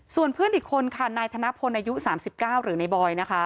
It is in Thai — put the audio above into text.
ส่วนเพื่อนอีกคนค่ะนายธนพลอายุ๓๙หรือในบอยนะคะ